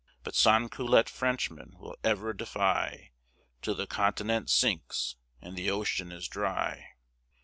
But sans culotte Frenchmen we'll ever defy, Till the continent sinks, and the ocean is dry!